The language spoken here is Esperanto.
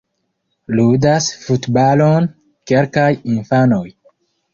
Ludas futbalon kelkaj infanoj.